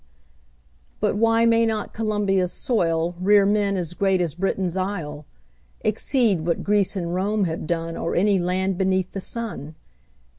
But why may not Columbia's soil Rear men as great as Britain's Isle, Exceed what Greece and Rome have done Or any land beneath the sun?